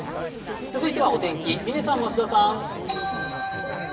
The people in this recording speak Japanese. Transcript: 続いてはお天気、嶺さん、増田さん。